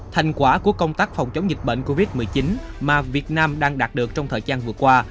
thành quả của công tác phòng chống dịch bệnh covid một mươi chín mà việt nam đang đạt được trong thời gian vừa qua